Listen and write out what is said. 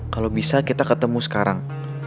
kalau bisa kita ketemu sekarang